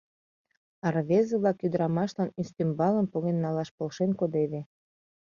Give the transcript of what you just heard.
А рвезе-влак ӱдырамашлан ӱстембалым поген налаш полшен кодеве.